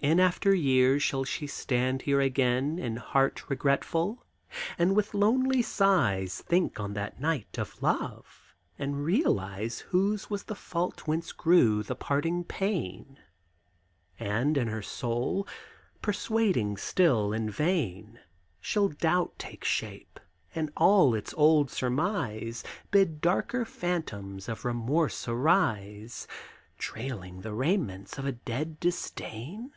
In after years shall she stand here again, In heart regretful? and with lonely sighs Think on that night of love, and realize Whose was the fault whence grew the parting pain? And, in her soul, persuading still in vain, Shall doubt take shape, and all its old surmise Bid darker phantoms of remorse arise Trailing the raiment of a dead disdain?